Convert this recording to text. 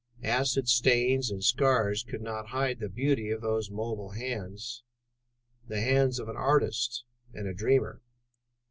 Acid stains and scars could not hide the beauty of those mobile hands, the hands of an artist and a dreamer.